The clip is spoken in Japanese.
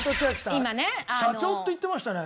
社長って言ってましたね。